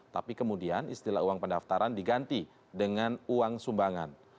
tapi kemudian istilah uang pendaftaran diganti dengan uang sumbangan